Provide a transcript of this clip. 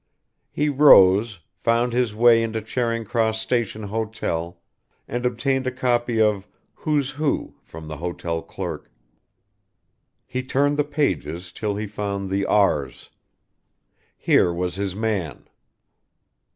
He rose, found his way into Charing Cross Station Hotel, and obtained a copy of "Who's Who" from the hotel clerk. He turned the pages till he found the R's. Here was his man.